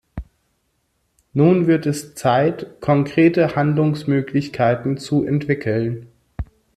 Nun wird es Zeit, konkrete Handlungsmöglichkeiten zu entwickeln.